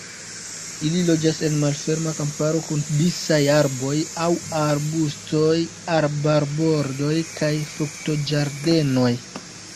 Ili loĝas en malferma kamparo kun disaj arboj aŭ arbustoj, arbarbordoj kaj fruktoĝardenoj.